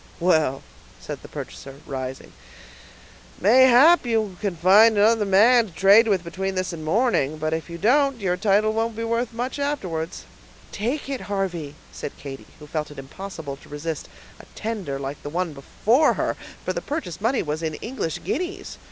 "Well," said the purchaser, rising, "mayhap you can find another man to trade with between this and morning, but if you don't, your title won't be worth much afterwards." "Take it, Harvey," said Katy, who felt it impossible to resist a tender like the one before her; for the purchase money was in English guineas.